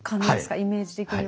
イメージ的には。